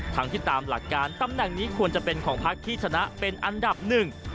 ทั้งที่ตามหลักการตำแหน่งนี้ควรจะเป็นของพักที่ชนะเป็นอันดับหนึ่ง